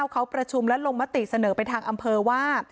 เขาประชุมและลงมติเสนอไปทางอำเภอว่า